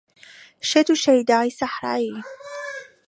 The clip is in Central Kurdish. شێت و شەیدای سەحرایی